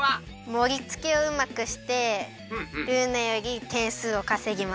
もりつけをうまくしてルーナよりてんすうをかせぎます。